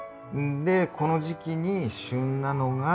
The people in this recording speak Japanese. でこの時期に旬なのが。